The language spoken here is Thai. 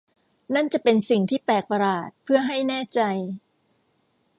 นั่นจะเป็นสิ่งที่แปลกประหลาดเพื่อให้แน่ใจ !